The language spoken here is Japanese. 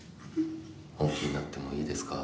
本気になってもいいですか？